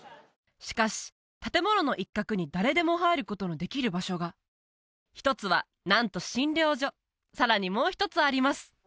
しかし建物の一角に誰でも入ることのできる場所が一つはなんと診療所さらにもう一つあります